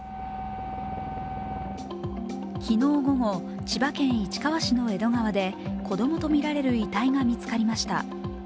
昨日午後、千葉県市川市の江戸川で子供とみられる遺体が見つかりました。